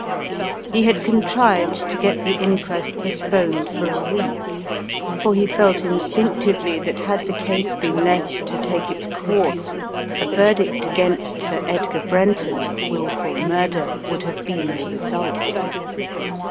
He had contrived to get the inquest postponed for a week, for he felt instinctively that had the case been left to take its course, a verdict against Sir Edgar Brenton of wilful murder would have been the result.